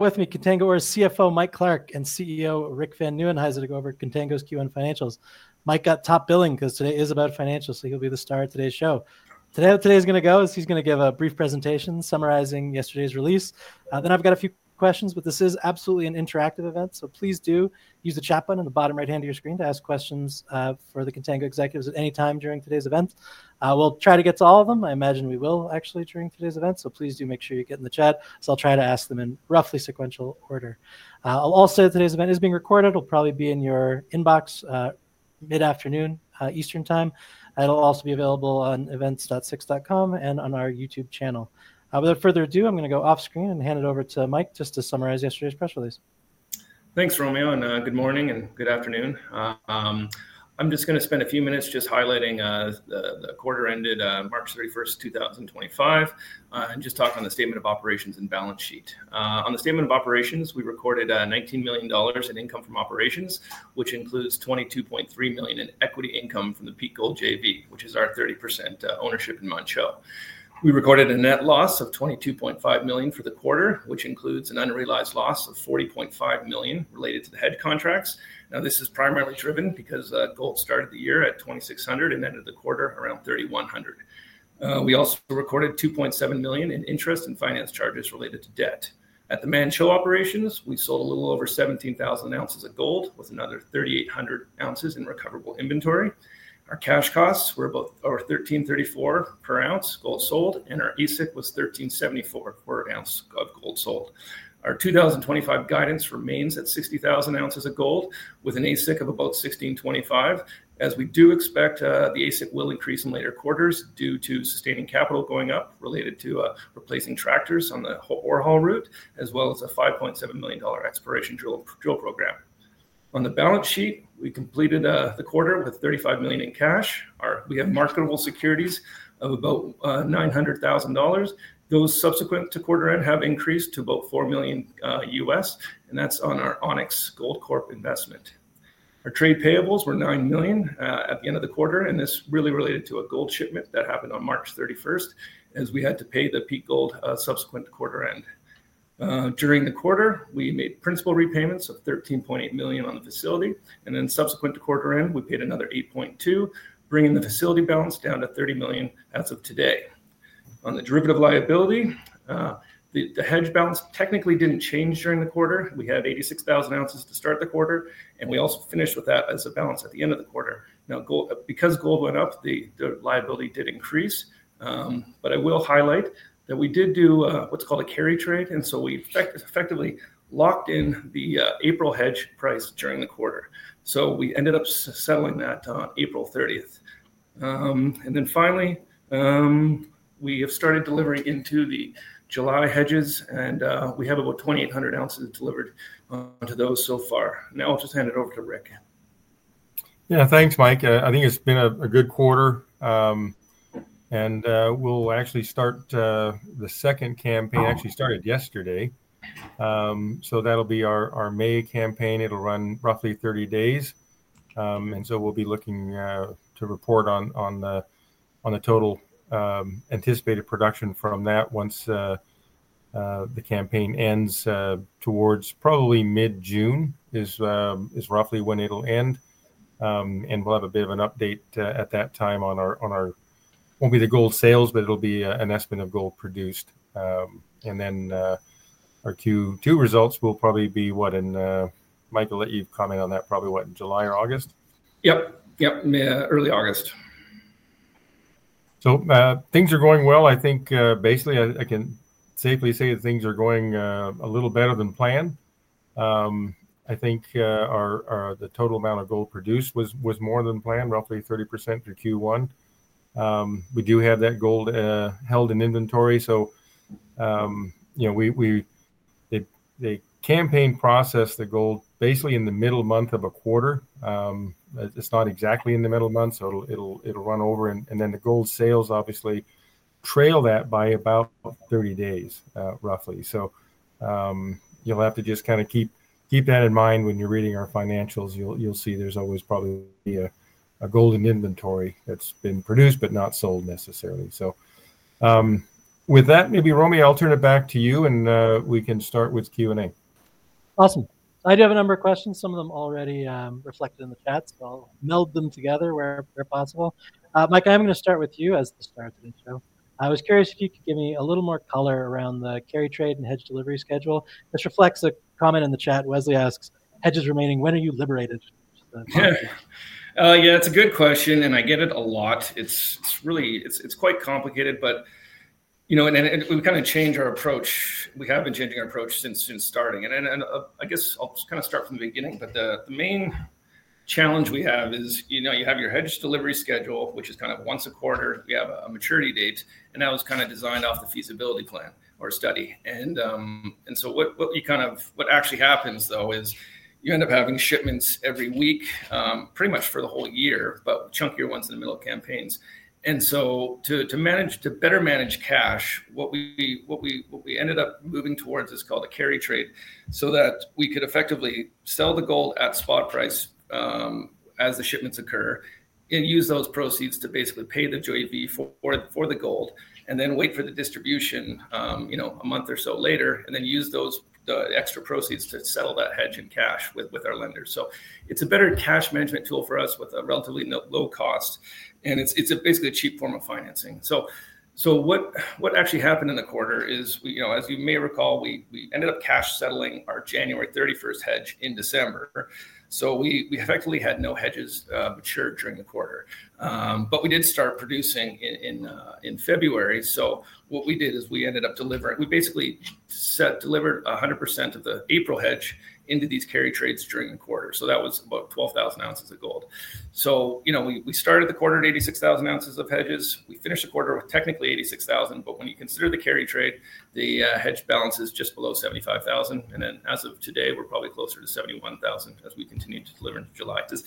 With me, Contango Ore's CFO, Mike Clark, and CEO, Rick Van Nieuwenhuyse, over at Contango's Q1 financials. Mike got top billing because today is about financials, so he'll be the star of today's show. The way today is going to go is he's going to give a brief presentation summarizing yesterday's release. Then I've got a few questions, but this is absolutely an interactive event, so please do use the chat button in the bottom right-hand of your screen to ask questions for the Contango executives at any time during today's event. We'll try to get to all of them. I imagine we will, actually, during today's event, so please do make sure you get in the chat. I'll try to ask them in roughly sequential order. I'll also say today's event is being recorded. It'll probably be in your inbox mid-afternoon Eastern time. It'll also be available on events.six.com and on our YouTube channel. Without further ado, I'm going to go off screen and hand it over to Mike just to summarize yesterday's press release. Thanks, Romeo. Good morning and good afternoon. I'm just going to spend a few minutes just highlighting the quarter ended March 31st, 2025, and just talk on the statement of operations and balance sheet. On the statement of operations, we recorded $19 million in income from operations, which includes $22.3 million in equity income from the Peak Gold JV, which is our 30% ownership in Manh Choh. We recorded a net loss of $22.5 million for the quarter, which includes an unrealized loss of $40.5 million related to the hedge contracts. Now, this is primarily driven because gold started the year at $2,600 and ended the quarter around $3,100. We also recorded $2.7 million in interest and finance charges related to debt. At the Manh Choh operations, we sold a little over 17,000 ounces of gold with another 3,800 ounces in recoverable inventory. Our cash costs were about $1,334 per ounce gold sold, and our AISC was $1,374 per ounce of gold sold. Our 2025 guidance remains at 60,000 ounces of gold with an AISC of about $1,625, as we do expect the AISC will increase in later quarters due to sustaining capital going up related to replacing tractors on the Warhol route, as well as a $5.7 million exploration drill program. On the balance sheet, we completed the quarter with $35 million in cash. We have marketable securities of about $900,000. Those subsequent to quarter end have increased to about $4 million U.S., and that is on our Onyx Gold Corp investment. Our trade payables were $9 million at the end of the quarter, and this really related to a gold shipment that happened on March 31st, as we had to pay the Peak Gold subsequent to quarter end. During the quarter, we made principal repayments of $13.8 million on the facility, and then subsequent to quarter end, we paid another $8.2 million, bringing the facility balance down to $30 million as of today. On the derivative liability, the hedge balance technically did not change during the quarter. We had 86,000 ounces to start the quarter, and we also finished with that as a balance at the end of the quarter. Now, because gold went up, the liability did increase, but I will highlight that we did do what is called a carry trade, and we effectively locked in the April hedge price during the quarter. We ended up settling that on April 30st. Finally, we have started delivering into the July hedges, and we have about 2,800 ounces delivered onto those so far. Now I will just hand it over to Rick. Yeah, thanks, Mike. I think it's been a good quarter, and we'll actually start the second campaign. It actually started yesterday, so that'll be our May campaign. It'll run roughly 30 days, and we'll be looking to report on the total anticipated production from that once the campaign ends towards probably mid-June is roughly when it'll end. We'll have a bit of an update at that time on our—it won't be the gold sales, but it'll be an estimate of gold produced. Our Q2 results will probably be—what in—Mike, I'll let you comment on that, probably what, in July or August? Yep, yep, early August. Things are going well. I think basically I can safely say that things are going a little better than planned. I think the total amount of gold produced was more than planned, roughly 30% through Q1. We do have that gold held in inventory. The campaign processed the gold basically in the middle month of a quarter. It's not exactly in the middle month, so it'll run over. The gold sales obviously trail that by about 30 days, roughly. You'll have to just kind of keep that in mind when you're reading our financials. You'll see there's always probably a gold in inventory that's been produced but not sold necessarily. With that, maybe, Romeo, I'll turn it back to you, and we can start with Q&A. Awesome. I do have a number of questions, some of them already reflected in the chat, so I'll meld them together where possible. Mike, I'm going to start with you as the star of today's show. I was curious if you could give me a little more color around the carry trade and hedge delivery schedule. This reflects a comment in the chat. Wesley asks, "Hedges remaining, when are you liberated? Yeah, that's a good question, and I get it a lot. It's quite complicated, but we've kind of changed our approach. We have been changing our approach since starting. I guess I'll kind of start from the beginning, but the main challenge we have is you have your hedge delivery schedule, which is kind of once a quarter. We have a maturity date, and that was kind of designed off the feasibility plan or study. What actually happens, though, is you end up having shipments every week, pretty much for the whole year, but chunkier ones in the middle of campaigns. To better manage cash, what we ended up moving towards is called a carry trade so that we could effectively sell the gold at spot price as the shipments occur and use those proceeds to basically pay the JV. For the gold and then wait for the distribution a month or so later and then use those extra proceeds to settle that hedge in cash with our lenders. It is a better cash management tool for us with a relatively low cost, and it is basically a cheap form of financing. What actually happened in the quarter is, as you may recall, we ended up cash settling our January 31 hedge in December. We effectively had no hedges mature during the quarter, but we did start producing in February. What we did is we ended up delivering—we basically delivered 100% of the April hedge into these carry trades during the quarter. That was about 12,000 ounces of gold. We started the quarter at 86,000 ounces of hedges. We finished the quarter with technically 86,000, but when you consider the carry trade, the hedge balance is just below 75,000. As of today, we're probably closer to 71,000 as we continue to deliver into July. Does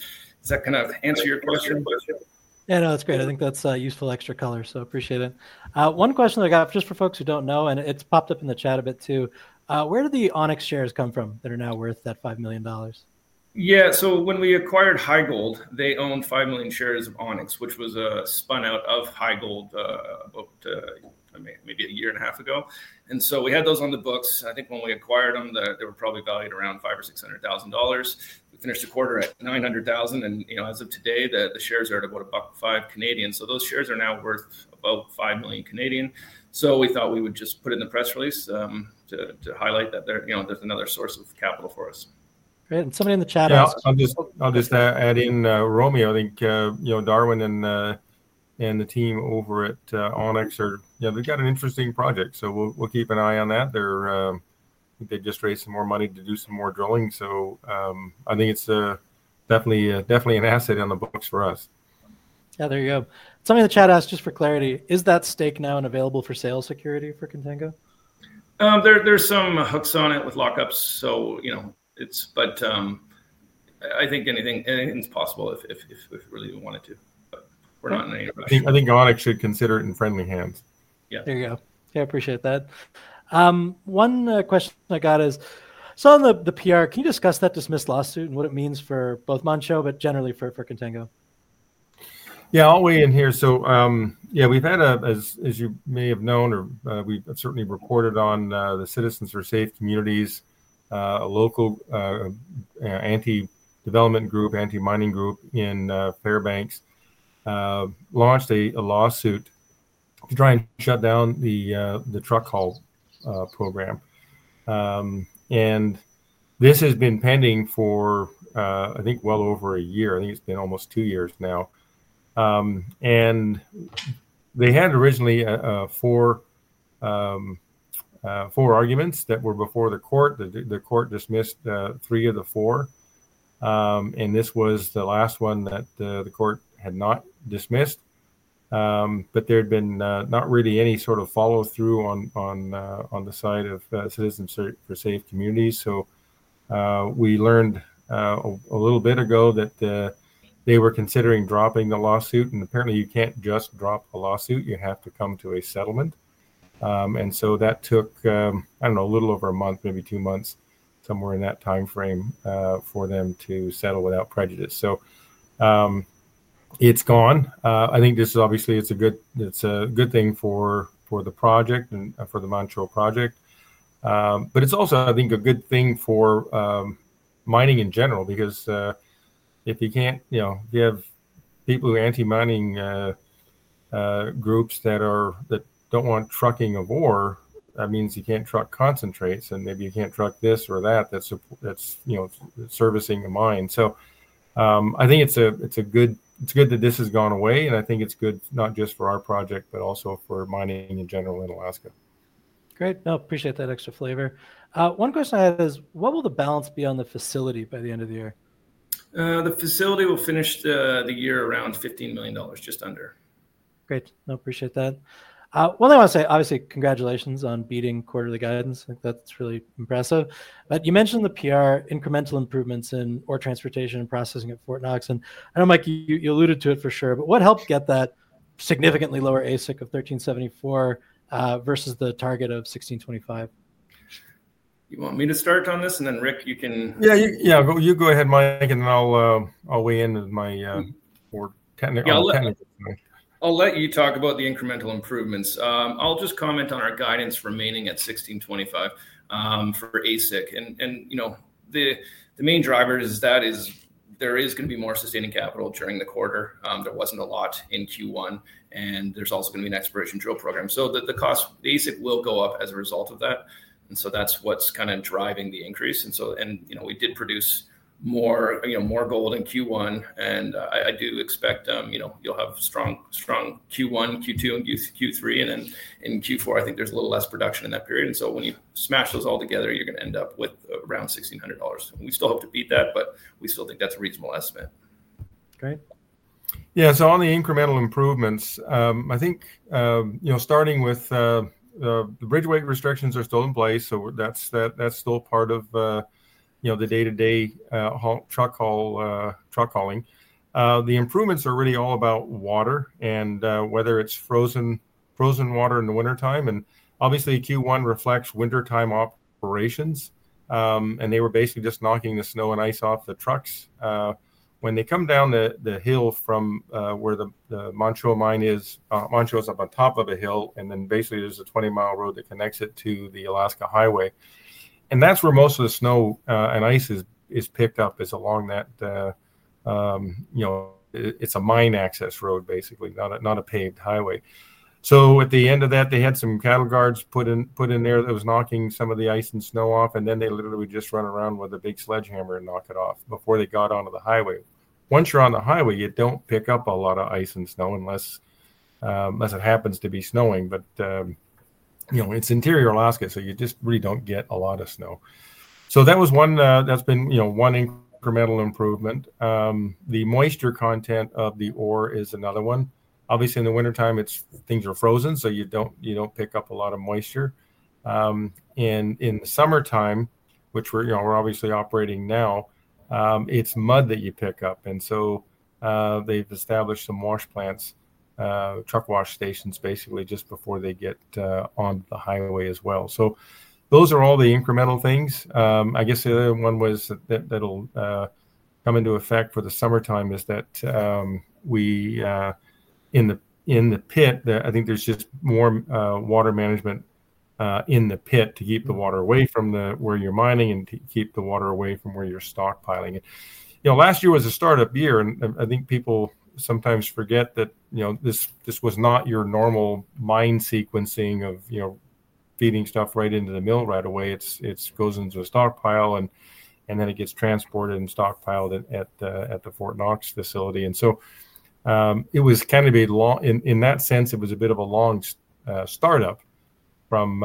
that kind of answer your question? Yeah, no, that's great. I think that's useful extra color, so appreciate it. One question I got just for folks who do not know, and it has popped up in the chat a bit too, where did the Onyx shares come from that are now worth that $5 million? Yeah, so when we acquired Highgold, they owned 5 million shares of Onyx, which was a spun out of Highgold about maybe a year and a half ago. And so we had those on the books. I think when we acquired them, they were probably valued around $500,000 or $600,000. We finished the quarter at $900,000, and as of today, the shares are at about 1.05. So those shares are now worth about 5 million. So we thought we would just put it in the press release to highlight that there's another source of capital for us. Great. Somebody in the chat asked. I'll just add in, Romeo. I think Darwin and the team over at Onyx are, yeah, they've got an interesting project, so we'll keep an eye on that. They just raised some more money to do some more drilling, so I think it's definitely an asset on the books for us. Yeah, there you go. Somebody in the chat asked, just for clarity, is that stake now available for sale as security for Contango? There's some hooks on it with lockups, but I think anything's possible if we really wanted to. We're not in any rush. I think Onyx should consider it in friendly hands. Yeah. Yeah, I appreciate that. One question I got is, so on the PR, can you discuss that dismissed lawsuit and what it means for both Montreal, but generally for Contango? Yeah, I'll weigh in here. Yeah, we've had, as you may have known, or we've certainly reported on the Citizens for Safe Communities, a local anti-development group, anti-mining group in Fairbanks, launched a lawsuit to try and shut down the truck haul program. This has been pending for, I think, well over a year. I think it's been almost two years now. They had originally four arguments that were before the court. The court dismissed three of the four, and this was the last one that the court had not dismissed. There had been not really any sort of follow-through on the side of Citizens for Safe Communities. We learned a little bit ago that they were considering dropping the lawsuit, and apparently you can't just drop a lawsuit. You have to come to a settlement. That took, I don't know, a little over a month, maybe two months, somewhere in that timeframe for them to settle without prejudice. It is gone. I think this is obviously a good thing for the project and for the Manh Choh project. It is also, I think, a good thing for mining in general because if you cannot have people who are anti-mining groups that do not want trucking of ore, that means you cannot truck concentrates, and maybe you cannot truck this or that that is servicing the mine. I think it is good that this has gone away, and I think it is good not just for our project, but also for mining in general in Alaska. Great. No, appreciate that extra flavor. One question I had is, what will the balance be on the facility by the end of the year? The facility will finish the year around $15 million, just under. Great. No, appreciate that. One thing I want to say, obviously, congratulations on beating quarterly guidance. I think that's really impressive. You mentioned the PR incremental improvements in ore transportation and processing at Fort Knox. I know, Mike, you alluded to it for sure, but what helped get that significantly lower AISC of $1,374 versus the target of $1,625? You want me to start on this? And then Rick, you can. Yeah, yeah, you go ahead, Mike, and then I'll weigh in with my technical comment. I'll let you talk about the incremental improvements. I'll just comment on our guidance remaining at $1,625 for AISC. The main driver is that there is going to be more sustaining capital during the quarter. There was not a lot in Q1, and there is also going to be an exploration drill program. The cost, the AISC, will go up as a result of that. That is what is kind of driving the increase. We did produce more gold in Q1, and I do expect you will have strong Q1, Q2, and Q3. In Q4, I think there is a little less production in that period. When you smash those all together, you are going to end up with around $1,600. We still hope to beat that, but we still think that is a reasonable estimate. Great. Yeah, so on the incremental improvements, I think starting with the bridge weight restrictions are still in place, so that's still part of the day-to-day truck hauling. The improvements are really all about water and whether it's frozen water in the wintertime. Obviously, Q1 reflects wintertime operations, and they were basically just knocking the snow and ice off the trucks. When they come down the hill from where the Manh Choh mine is, Manh Choh is up on top of a hill, and then basically there's a 20 mi road that connects it to the Alaska Highway. That's where most of the snow and ice is picked up is along that. It's a mine access road, basically, not a paved highway. At the end of that, they had some cattle guards put in there that was knocking some of the ice and snow off, and then they literally would just run around with a big sledgehammer and knock it off before they got onto the highway. Once you're on the highway, you don't pick up a lot of ice and snow unless it happens to be snowing, but it's interior Alaska, so you just really don't get a lot of snow. That has been one incremental improvement. The moisture content of the ore is another one. Obviously, in the wintertime, things are frozen, so you don't pick up a lot of moisture. In the summertime, which we're obviously operating now, it's mud that you pick up. They have established some wash plants, truck wash stations, basically just before they get on the highway as well. Those are all the incremental things. I guess the other one that will come into effect for the summertime is that in the pit, I think there is just more water management in the pit to keep the water away from where you are mining and to keep the water away from where you are stockpiling it. Last year was a startup year, and I think people sometimes forget that this was not your normal mine sequencing of feeding stuff right into the mill right away. It goes into a stockpile, and then it gets transported and stockpiled at the Fort Knox facility. It was kind of a long, in that sense, it was a bit of a long startup from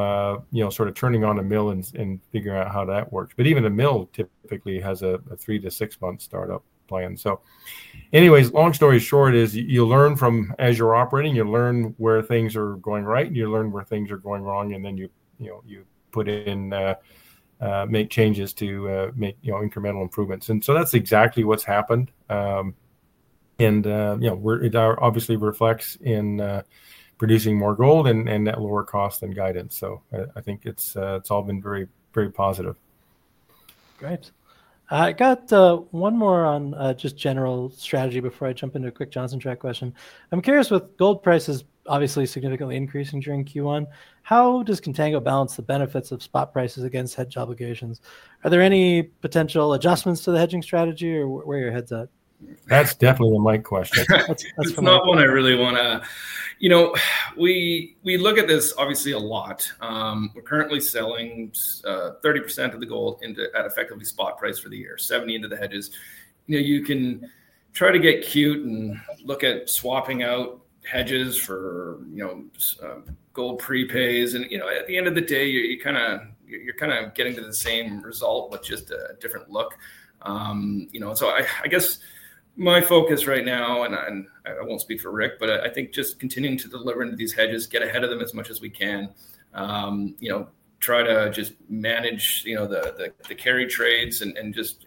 sort of turning on a mill and figuring out how that works. Even a mill typically has a three to six-month startup plan. Anyways, long story short is you learn from as you're operating, you learn where things are going right, and you learn where things are going wrong, and then you put in, make changes to make incremental improvements. That is exactly what's happened. It obviously reflects in producing more gold and at lower cost and guidance. I think it's all been very positive. Great. I got one more on just general strategy before I jump into a quick Johnson Tract question. I'm curious, with gold prices obviously significantly increasing during Q1, how does Contango balance the benefits of spot prices against hedge obligations? Are there any potential adjustments to the hedging strategy or where are your heads at? That's definitely a Mike question. It's not one I really want to, you know, we look at this obviously a lot. We're currently selling 30% of the gold at effectively spot price for the year, 70% into the hedges. You can try to get cute and look at swapping out hedges for gold prepays. At the end of the day, you're kind of getting to the same result with just a different look. I guess my focus right now, and I won't speak for Rick, but I think just continuing to deliver into these hedges, get ahead of them as much as we can, try to just manage the carry trades and just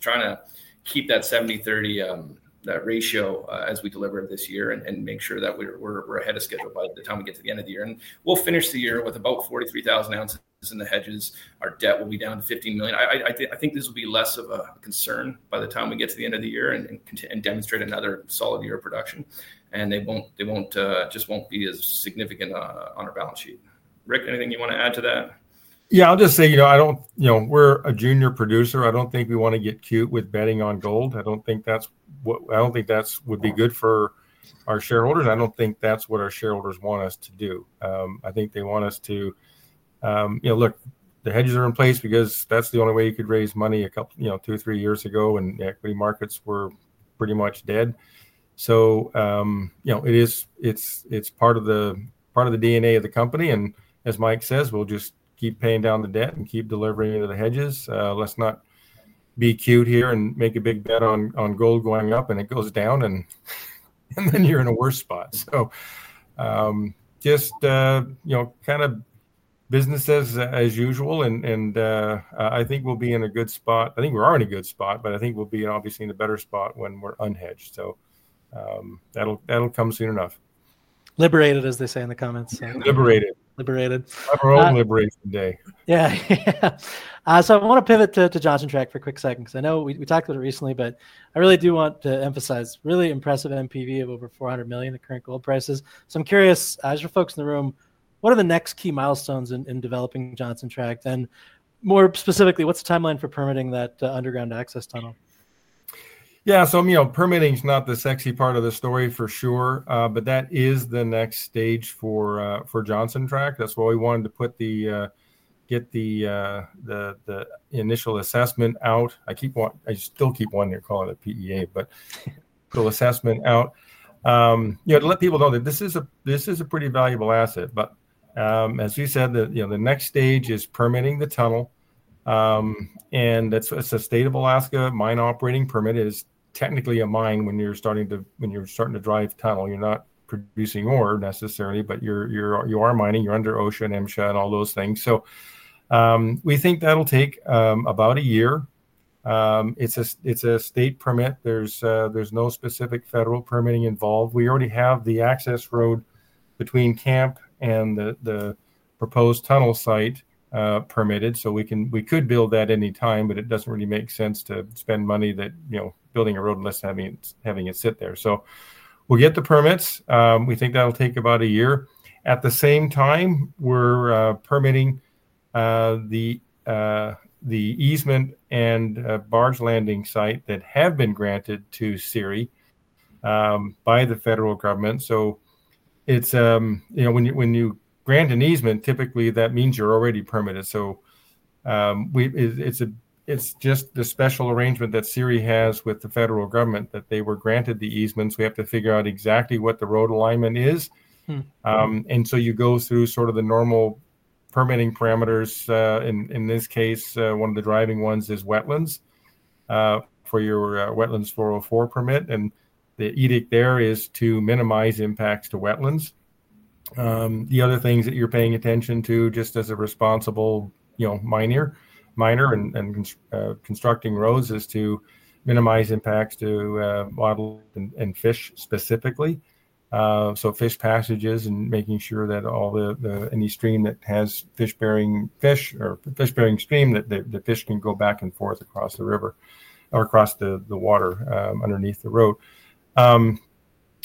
trying to keep that 70/30 ratio as we deliver this year and make sure that we're ahead of schedule by the time we get to the end of the year. We'll finish the year with about 43,000 ounces in the hedges. Our debt will be down to $15 million. I think this will be less of a concern by the time we get to the end of the year and demonstrate another solid year of production. They just won't be as significant on our balance sheet. Rick, anything you want to add to that? Yeah, I'll just say, you know, we're a junior producer. I don't think we want to get cute with betting on gold. I don't think that's what I don't think that would be good for our shareholders. I don't think that's what our shareholders want us to do. I think they want us to look, the hedges are in place because that's the only way you could raise money 2-3 years ago, and equity markets were pretty much dead. It's part of the DNA of the company. As Mike says, we'll just keep paying down the debt and keep delivering into the hedges. Let's not be cute here and make a big bet on gold going up and it goes down, and then you're in a worse spot. Just kind of business as usual, and I think we'll be in a good spot. I think we're already in a good spot, but I think we'll be obviously in a better spot when we're unhedged. That'll come soon enough. Liberated, as they say in the comments. Liberated. Liberated. Our own liberation day. Yeah. I want to pivot to Johnson Tract for a quick second because I know we talked about it recently, but I really do want to emphasize really impressive MPV of over $400 million in current gold prices. I'm curious, as your folks in the room, what are the next key milestones in developing Johnson Tract? More specifically, what's the timeline for permitting that underground access tunnel? Yeah, so permitting is not the sexy part of the story for sure, but that is the next stage for Johnson Tract. That's why we wanted to get the initial assessment out. I still keep wanting to call it a PEA, but the assessment out to let people know that this is a pretty valuable asset. As you said, the next stage is permitting the tunnel. It is a state of Alaska mine operating permit. It is technically a mine when you're starting to drive tunnel. You're not producing ore necessarily, but you are mining. You're under OSHA and MSHA and all those things. We think that'll take about a year. It's a state permit. There's no specific federal permitting involved. We already have the access road between camp and the proposed tunnel site permitted. We could build that any time, but it doesn't really make sense to spend money building a road unless having it sit there. We'll get the permits. We think that'll take about a year. At the same time, we're permitting the easement and barge landing site that have been granted to CIRI by the federal government. When you grant an easement, typically that means you're already permitted. It's just the special arrangement that CIRI has with the federal government that they were granted the easements. We have to figure out exactly what the road alignment is. You go through sort of the normal permitting parameters. In this case, one of the driving ones is wetlands for your wetlands 404 permit. The edict there is to minimize impacts to wetlands. The other things that you're paying attention to just as a responsible miner and constructing roads is to minimize impacts to wildlife and fish specifically. Fish passages and making sure that any stream that has fish-bearing fish or fish-bearing stream, that the fish can go back and forth across the river or across the water underneath the road.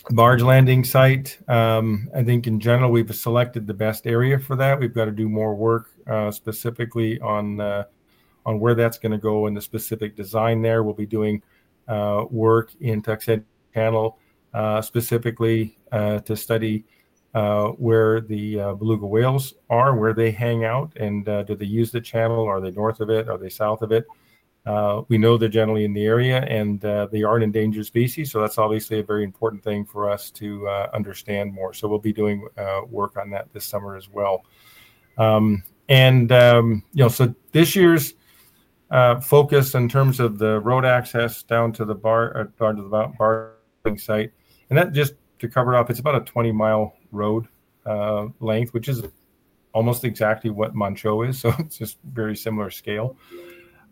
Barge landing site, I think in general, we've selected the best area for that. We've got to do more work specifically on where that's going to go and the specific design there. We'll be doing work in Tuckson Channel specifically to study where the beluga whales are, where they hang out, and do they use the channel? Are they north of it? Are they south of it? We know they're generally in the area, and they aren't endangered species. That's obviously a very important thing for us to understand more. We'll be doing work on that this summer as well. This year's focus in terms of the road access down to the barging site, and just to cover it up, it's about a 20 mi road length, which is almost exactly what Manh Choh is. It's just very similar scale.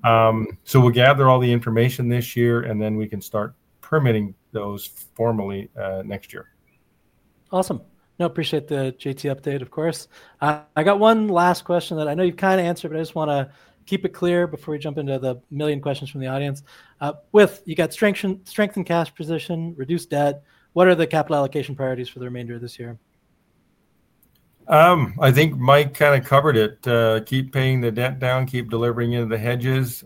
We'll gather all the information this year, and then we can start permitting those formally next year. Awesome. No, appreciate the JT update, of course. I got one last question that I know you've kind of answered, but I just want to keep it clear before we jump into the million questions from the audience. With you got strengthened cash position, reduced debt. What are the capital allocation priorities for the remainder of this year? I think Mike kind of covered it. Keep paying the debt down, keep delivering into the hedges.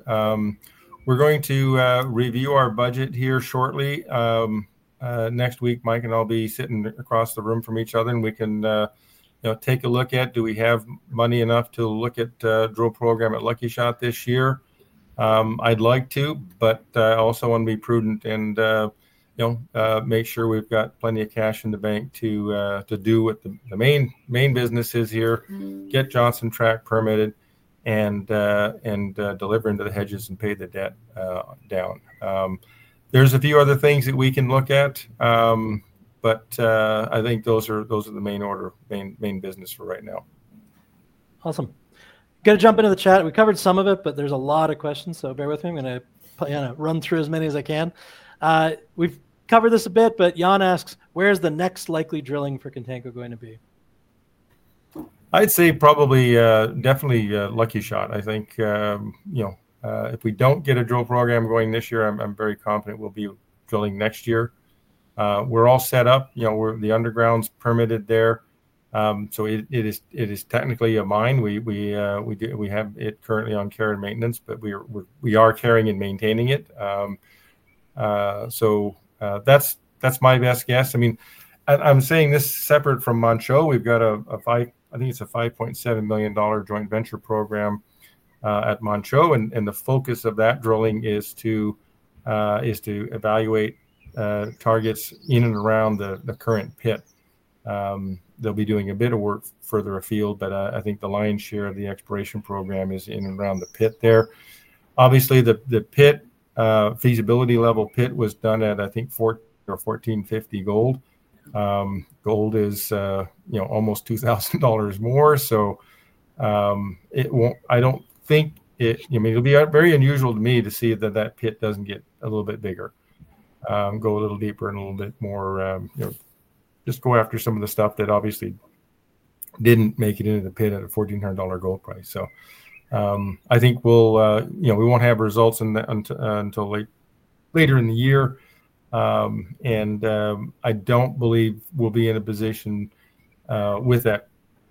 We're going to review our budget here shortly. Next week, Mike and I will be sitting across the room from each other, and we can take a look at do we have money enough to look at drill program at Lucky Shot this year. I'd like to, but I also want to be prudent and make sure we've got plenty of cash in the bank to do what the main business is here, get Johnson Tract permitted, and deliver into the hedges and pay the debt down. There are a few other things that we can look at, but I think those are the main order, main business for right now. Awesome. Going to jump into the chat. We covered some of it, but there's a lot of questions, so bear with me. I'm going to run through as many as I can. We've covered this a bit, but Yann asks, where is the next likely drilling for Contango going to be? I'd say probably definitely Lucky Shot. I think if we don't get a drill program going this year, I'm very confident we'll be drilling next year. We're all set up. The underground's permitted there. So it is technically a mine. We have it currently on care and maintenance, but we are carrying and maintaining it. So that's my best guess. I mean, I'm saying this separate from Manh Choh, we've got a, I think it's a $5.7 million joint venture program at Manh Choh, and the focus of that drilling is to evaluate targets in and around the current pit. They'll be doing a bit of work further afield, but I think the lion's share of the exploration program is in and around the pit there. Obviously, the pit feasibility level pit was done at, I think, $1,400 or $1,450 gold. Gold is almost $2,000 more. I do not think it, I mean, it will be very unusual to me to see that that pit does not get a little bit bigger, go a little deeper and a little bit more, just go after some of the stuff that obviously did not make it into the pit at a $1,400 gold price. I think we will not have results until later in the year. I do not believe we will be in a position with that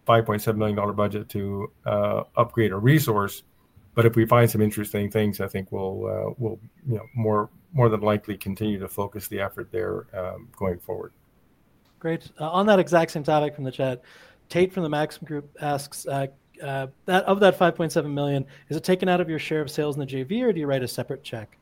$5.7 million budget to upgrade a resource. If we find some interesting things, I think we will more than likely continue to focus the effort there going forward. Great. On that exact same topic from the chat, Tate from the Max Group asks, of that $5.7 million, is it taken out of your share of sales in the JV or do you write a separate check?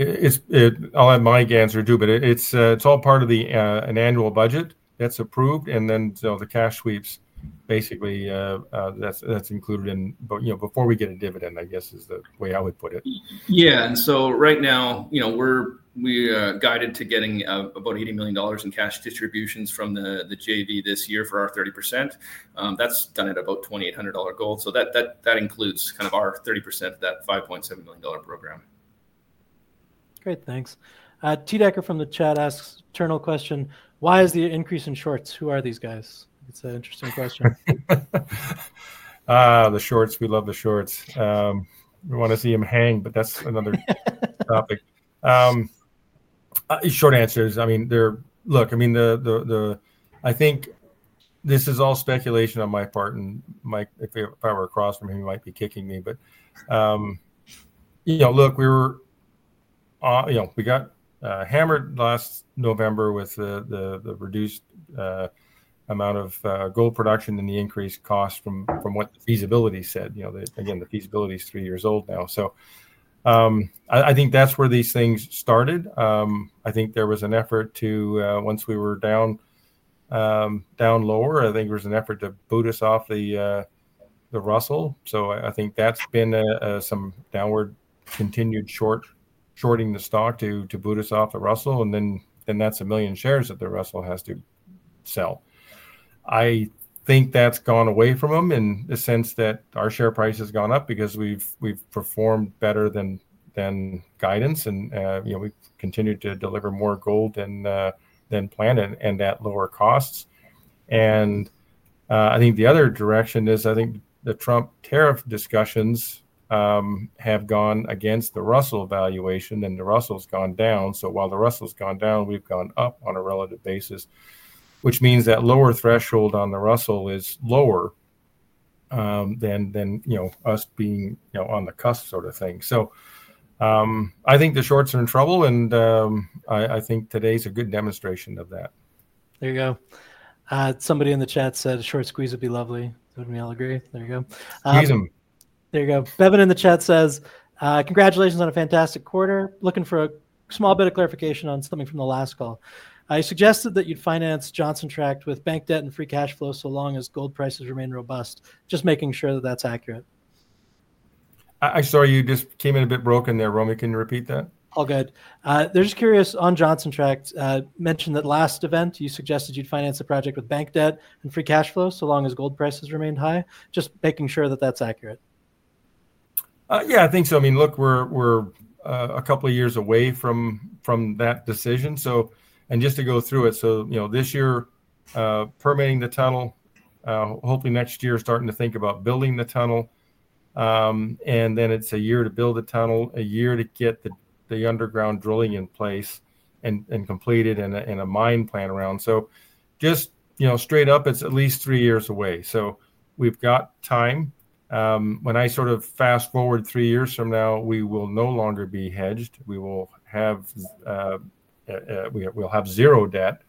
I'll have Mike answer too, but it's all part of an annual budget that's approved. The cash sweeps, basically, that's included in before we get a dividend, I guess, is the way I would put it. Yeah. Right now, we're guided to getting about $80 million in cash distributions from the JV this year for our 30%. That's done at about $2,800 gold. That includes kind of our 30% of that $5.7 million program. Great. Thanks. T. Decker from the chat asks a turnout question. Why is the increase in shorts? Who are these guys? It's an interesting question. The shorts. We love the shorts. We want to see them hang, but that's another topic. Short answer is, I mean, look, I mean, I think this is all speculation on my part. And Mike, if I were across from him, he might be kicking me. But look, we got hammered last November with the reduced amount of gold production and the increased cost from what the feasibility said. Again, the feasibility is three years old now. I think that's where these things started. I think there was an effort to, once we were down lower, I think there was an effort to boot us off the Russell. I think that's been some downward continued shorting the stock to boot us off the Russell. And then that's a million shares that the Russell has to sell. I think that's gone away from them in the sense that our share price has gone up because we've performed better than guidance. We've continued to deliver more gold than planned and at lower costs. I think the other direction is I think the Trump tariff discussions have gone against the Russell valuation and the Russell's gone down. While the Russell's gone down, we've gone up on a relative basis, which means that lower threshold on the Russell is lower than us being on the cusp sort of thing. I think the shorts are in trouble. I think today's a good demonstration of that. There you go. Somebody in the chat said a short squeeze would be lovely. Wouldn't we all agree? There you go. Squeeze them. There you go. Bevin in the chat says, "Congratulations on a fantastic quarter. Looking for a small bit of clarification on something from the last call. I suggested that you'd finance Johnson Tract with bank debt and free cash flow so long as gold prices remain robust." Just making sure that that's accurate. I'm sorry, you just came in a bit broken there, Romeo. Can you repeat that? All good. They're just curious on Johnson Tract. Mentioned that last event, you suggested you'd finance the project with bank debt and free cash flow so long as gold prices remained high. Just making sure that that's accurate. Yeah, I think so. I mean, look, we're a couple of years away from that decision. Just to go through it, this year permitting the tunnel, hopefully next year starting to think about building the tunnel. It's a year to build the tunnel, a year to get the underground drilling in place and completed and a mine plan around. Just straight up, it's at least three years away. We've got time. When I sort of fast forward three years from now, we will no longer be hedged. We will have zero debt,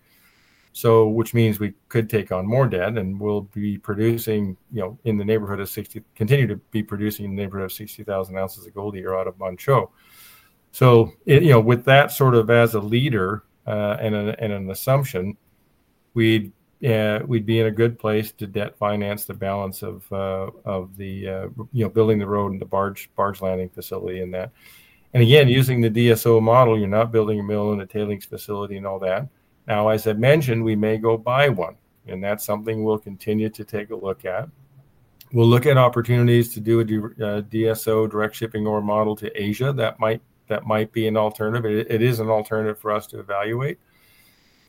which means we could take on more debt and we'll be producing in the neighborhood of 60,000 ounces of gold a year out of Manh Choh. With that sort of as a leader and an assumption, we'd be in a good place to debt finance the balance of building the road and the barge landing facility in that. Again, using the DSO model, you're not building a mill and a tailings facility and all that. Now, as I mentioned, we may go buy one. That's something we'll continue to take a look at. We'll look at opportunities to do a DSO direct shipping ore model to Asia. That might be an alternative. It is an alternative for us to evaluate.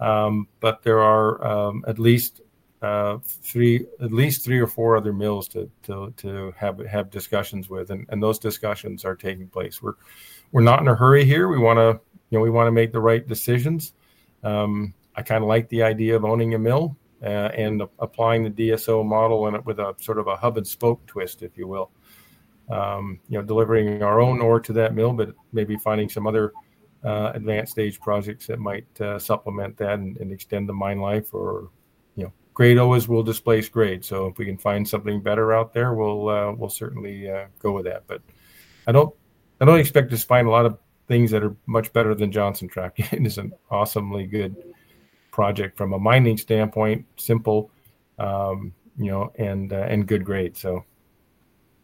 There are at least three or four other mills to have discussions with. Those discussions are taking place. We're not in a hurry here. We want to make the right decisions. I kind of like the idea of owning a mill and applying the DSO model with a sort of a hub and spoke twist, if you will, delivering our own ore to that mill, but maybe finding some other advanced stage projects that might supplement that and extend the mine life or grade always will displace grade. If we can find something better out there, we'll certainly go with that. I don't expect to find a lot of things that are much better than Johnson Tract. It is an awesomely good project from a mining standpoint, simple and good grade. There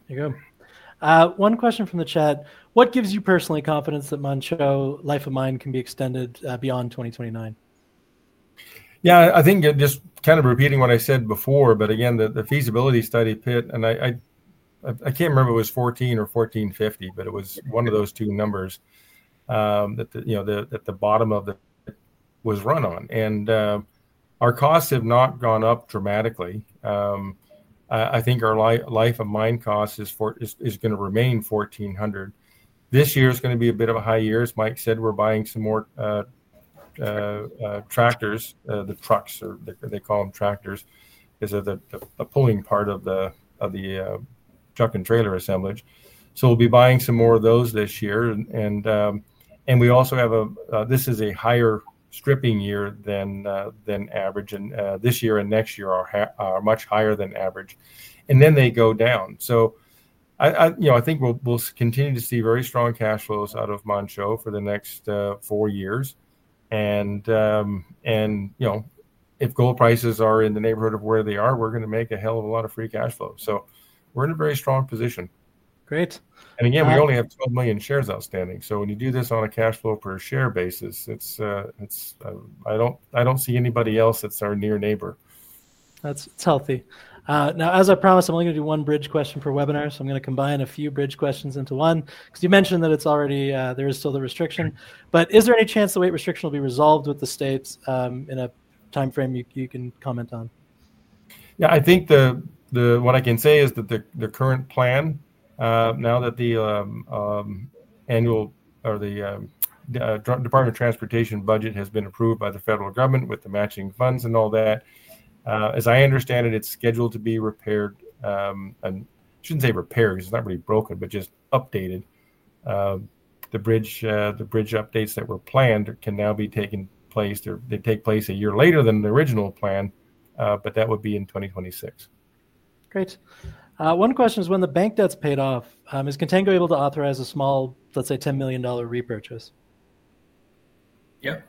you go. One question from the chat. What gives you personally confidence that Manh Choh's life of mine can be extended beyond 2029? Yeah, I think just kind of repeating what I said before, but again, the feasibility study pit, and I can't remember if it was $1,400 or $1,450, but it was one of those two numbers that the bottom of the pit was run on. Our costs have not gone up dramatically. I think our life of mine cost is going to remain $1,400. This year is going to be a bit of a high year. As Mike said, we're buying some more tractors, the trucks, they call them tractors, is the pulling part of the truck and trailer assemblage. We'll be buying some more of those this year. We also have a, this is a higher stripping year than average. This year and next year are much higher than average. They go down. I think we'll continue to see very strong cash flows out of Manh Choh for the next four years. If gold prices are in the neighborhood of where they are, we're going to make a hell of a lot of free cash flow. We're in a very strong position. Great. Again, we only have 12 million shares outstanding. So when you do this on a cash flow per share basis, I don't see anybody else that's our near neighbor. That's healthy. Now, as I promised, I'm only going to do one bridge question for webinars. I'm going to combine a few bridge questions into one. Because you mentioned that it's already, there is still the restriction. Is there any chance the weight restriction will be resolved with the states in a timeframe you can comment on? Yeah, I think what I can say is that the current plan, now that the annual or the Department of Transportation budget has been approved by the federal government with the matching funds and all that, as I understand it, it's scheduled to be repaired. I shouldn't say repaired because it's not really broken, but just updated. The bridge updates that were planned can now be taken place. They take place a year later than the original plan, but that would be in 2026. Great. One question is when the bank debt's paid off, is Contango able to authorize a small, let's say, $10 million repurchase? Yeah.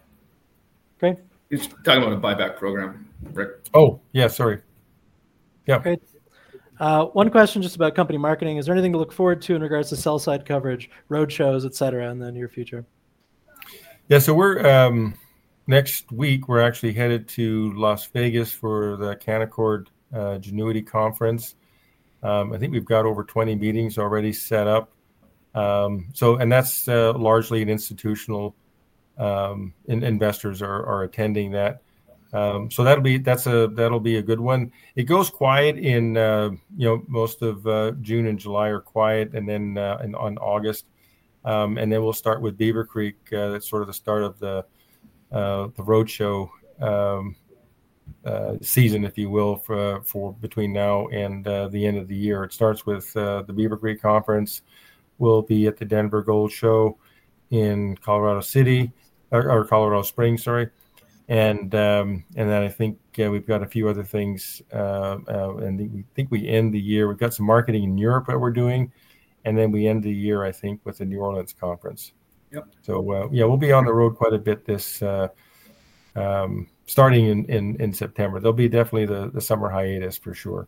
Great. He's talking about a buyback program, right? Oh, yeah, sorry. Yeah. Great. One question just about company marketing. Is there anything to look forward to in regards to sell-side coverage, road shows, etc., in the near future? Yeah, so next week, we're actually headed to Las Vegas for the Canaccord Genuity Conference. I think we've got over 20 meetings already set up. And that's largely an institutional investors are attending that. So that'll be a good one. It goes quiet in most of June and July are quiet and then on August. And then we'll start with Beaver Creek. That's sort of the start of the road show season, if you will, between now and the end of the year. It starts with the Beaver Creek Conference. We'll be at the Denver Gold Show in Colorado Springs, sorry. And then I think we've got a few other things. And I think we end the year. We've got some marketing in Europe that we're doing. And then we end the year, I think, with the New Orleans Conference. Yeah, we'll be on the road quite a bit starting in September. There'll be definitely the summer hiatus for sure.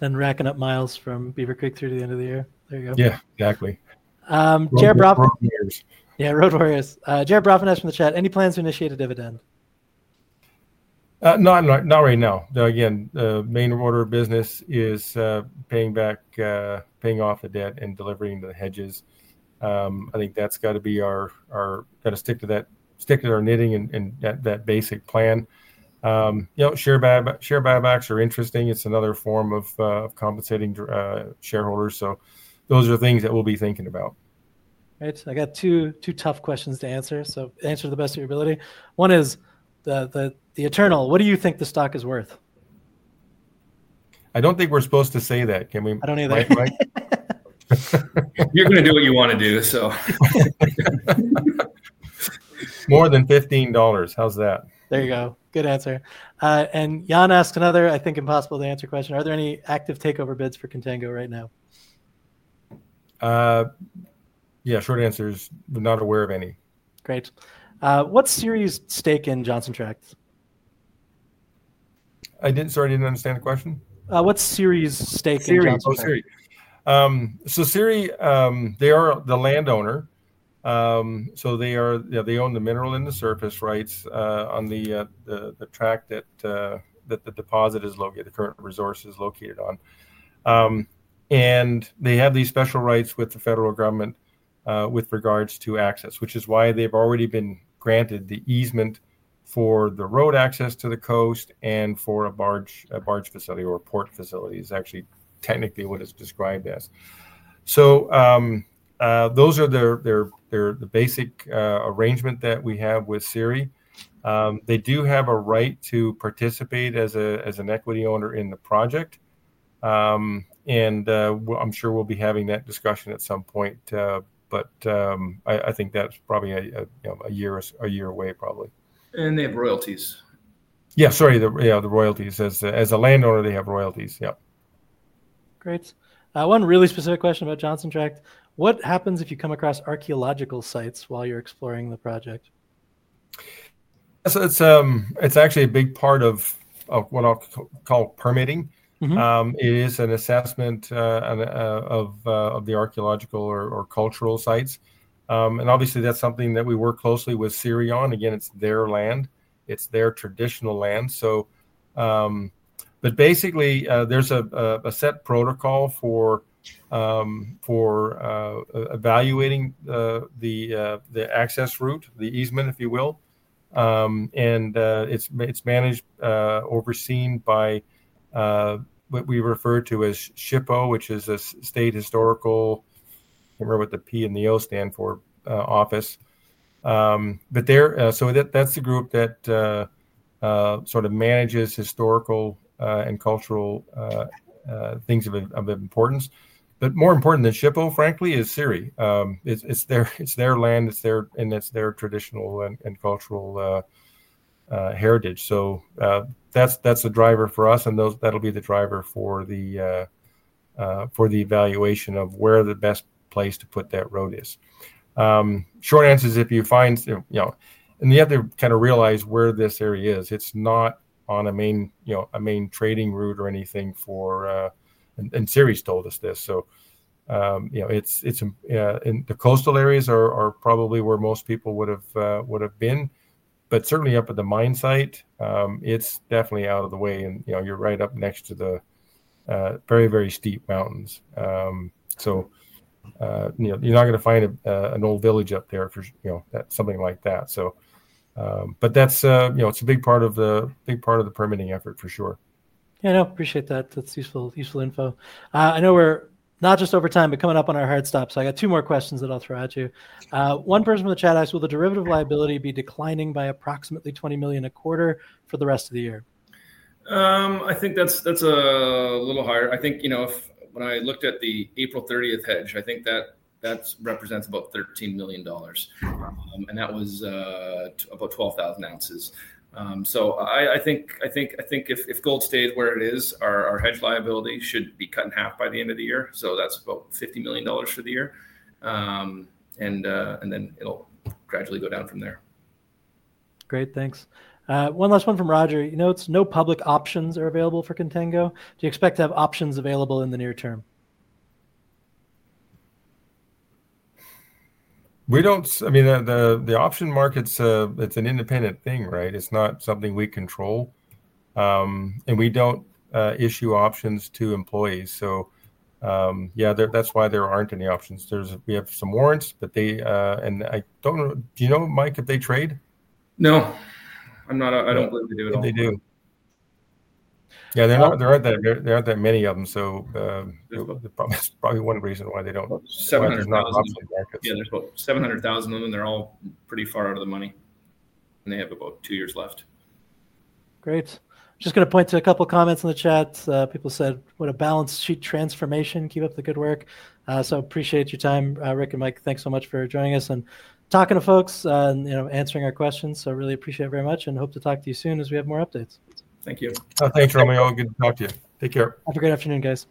Racking up miles from Beaver Creek through to the end of the year. There you go. Yeah, exactly. Jared Broffin. Road warriors. Yeah, road warriors. Jared Broffin asked from the chat, any plans to initiate a dividend? Not right now. Again, the main order of business is paying off the debt and delivering the hedges. I think that's got to be our, got to stick to our knitting and that basic plan. Share buybacks are interesting. It's another form of compensating shareholders. Those are things that we'll be thinking about. Great. I got two tough questions to answer. So answer to the best of your ability. One is the eternal. What do you think the stock is worth? I don't think we're supposed to say that. Can we? I don't either. You're going to do what you want to do, so. More than $15. How's that? There you go. Good answer. Jan asked another, I think impossible to answer question. Are there any active takeover bids for Contango right now? Yeah, short answer is not aware of any. Great. What's CIRI's stake in Johnson Tract? Sorry, I didn't understand the question. What's CIRI's stake in Johnson? CIRI. So CIRI, they are the landowner. They own the mineral and the surface rights on the tract that the deposit is located, the current resource is located on. They have these special rights with the federal government with regards to access, which is why they've already been granted the easement for the road access to the coast and for a barge facility or port facility is actually technically what it's described as. Those are the basic arrangement that we have with CIRI. They do have a right to participate as an equity owner in the project. I'm sure we'll be having that discussion at some point. I think that's probably a year away, probably. They have royalties. Yeah, sorry, the royalties. As a landowner, they have royalties. Yeah. Great. One really specific question about Johnson Tract. What happens if you come across archaeological sites while you're exploring the project? It's actually a big part of what I'll call permitting. It is an assessment of the archaeological or cultural sites. Obviously, that's something that we work closely with CIRI on. Again, it's their land. It's their traditional land. Basically, there's a set protocol for evaluating the access route, the easement, if you will. It's managed, overseen by what we refer to as SHPO, which is a state historical, I can't remember what the P and the O stand for, office. That's the group that sort of manages historical and cultural things of importance. More important than SHPO, frankly, is CIRI. It's their land and it's their traditional and cultural heritage. That's a driver for us. That'll be the driver for the evaluation of where the best place to put that road is. Short answer is if you find, and you have to kind of realize where this area is. It's not on a main trading route or anything for, and CIRI's told us this. The coastal areas are probably where most people would have been. Certainly up at the mine site, it's definitely out of the way. You're right up next to the very, very steep mountains. You're not going to find an old village up there for something like that. It's a big part of the permitting effort for sure. Yeah, no, appreciate that. That's useful info. I know we're not just over time, but coming up on our hard stop. I got two more questions that I'll throw at you. One person from the chat asked, will the derivative liability be declining by approximately $20 million a quarter for the rest of the year? I think that's a little higher. I think when I looked at the April 30th hedge, I think that represents about $13 million. And that was about 12,000 ounces. I think if gold stays where it is, our hedge liability should be cut in half by the end of the year. That's about $50 million for the year. It will gradually go down from there. Great, thanks. One last one from Roger. He notes, no public options are available for Contango. Do you expect to have options available in the near term? I mean, the option market, it's an independent thing, right? It's not something we control. And we don't issue options to employees. So yeah, that's why there aren't any options. We have some warrants, but they, and I don't know, do you know, Mike, if they trade? No, I don't believe they do at all. Yeah, there aren't that many of them. So it's probably one reason why they don't. There's about 700,000 of them. They're all pretty far out of the money. And they have about two years left. Great. I'm just going to point to a couple of comments in the chat. People said, what a balance sheet transformation. Keep up the good work. Appreciate your time, Rick and Mike. Thanks so much for joining us and talking to folks and answering our questions. I really appreciate it very much and hope to talk to you soon as we have more updates. Thank you. Thanks, Romeo. Good to talk to you. Take care. Have a great afternoon, guys.